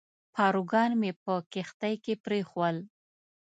پاروګان مې په کښتۍ کې پرېښوول.